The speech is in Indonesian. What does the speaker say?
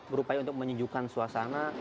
berupaya untuk menunjukkan suasana